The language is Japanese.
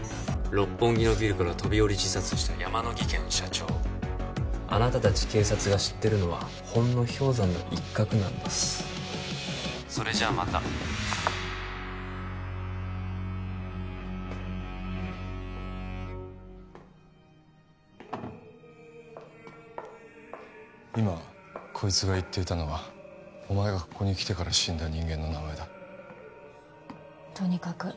六本木のビルから飛び降り自殺した山野技研社長あなた達警察が知ってるのはほんの氷山の一角なんですそれじゃあまた今こいつが言っていたのはお前がここに来てから死んだ人間の名前だとにかく